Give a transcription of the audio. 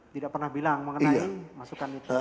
tidak pernah bilang mengenai masukan itu